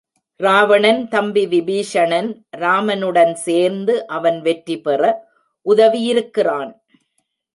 ராவணன் தம்பி விபீஷணன் ராமனுடன் சேர்ந்து அவன் வெற்றி பெற உதவியிருக்கிறான்.